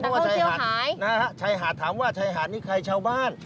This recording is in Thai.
ดังโครเที่ยวขายนะครับชายหาดถามว่าชายหาดนี่ใครชาวบ้าน